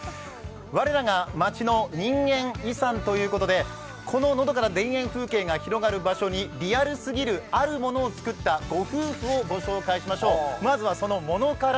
「我らが地元の“人間遺産”！？」ということで、こののどかな田園風景が広がる場所にリアルすぎるあるものを作った御夫婦を御紹介しましょう。